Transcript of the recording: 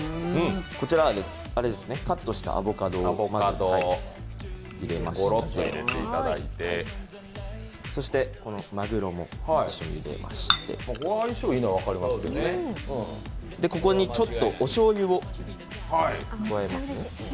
こちらはカットしたアボカドを入れまして、このまぐろを一緒に入れまして、ここにちょっとおしょうゆを加えます。